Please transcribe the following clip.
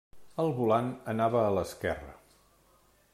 El volant anava a l'esquerra.